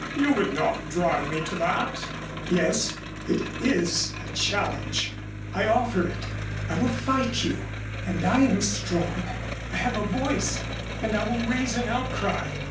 "You would not drive me to that!" "Yes. It is a challenge. I offer it. I will fight you, and I am strong. I have a voice and I will raise an outcry.